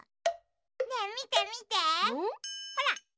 ねえみてみてほら。